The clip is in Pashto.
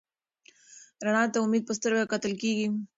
رڼا ته د امید په سترګه کتل کېږي.